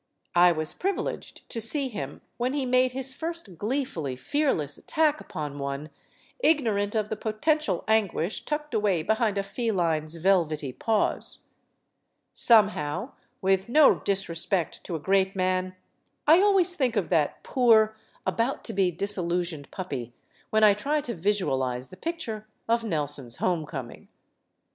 I was privileged to see him when he made his first gleefully fearless attack upon one, ignorant of the potential anguish tucked away Behind a feline's velvety paws. Somehow with no disrespect to a great man I always think of that poor, about to be disillusioned puppy when I try to visualize the picture of Nelson's home coming.